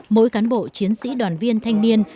mỗi cán bộ chiến sĩ đoàn viên thanh niên